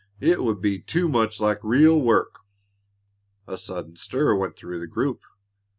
"It would be too much like real work." A sudden stir went through the group.